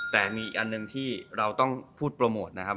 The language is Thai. แต่มีอีกอันหนึ่งที่เราต้องพูดโปรโมทนะครับ